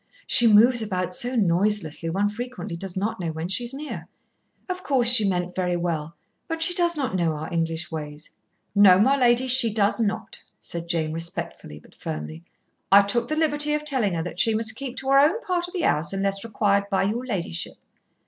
She moves about so noiselessly one frequently does not know when she is near. Of course she meant very well, but she does not know our English ways." "No, my lady, she does not," said Jane, respectfully but firmly. "I took the liberty of telling her she must keep to her own part of the house unless required by your ladyship."